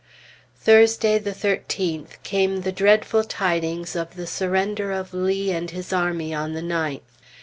Thursday the 13th came the dreadful tidings of the surrender of Lee and his army on the 9th.